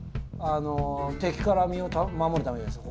敵から身を守るためじゃないですか。